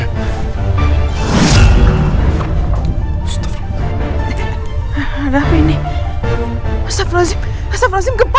astagfirullahaladzim astagfirullahaladzim gempa